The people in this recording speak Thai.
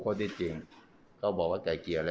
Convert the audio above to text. ตอนนี้ก็ไม่มีอัศวินทรีย์